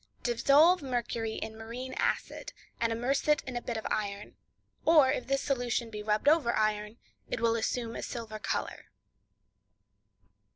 —Dissolve mercury in marine acid, and immerse in it a bit of iron, or if this solution be rubbed over iron, it will assume a silver color.